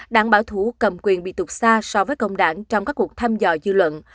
đảng bảo thủ cầm quyền bị tục xa so với công đảng trong các cuộc tham dò dư luận